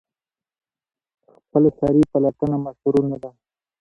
خپلسري پلټنه مشروع نه ده.